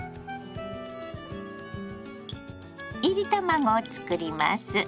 いり卵を作ります。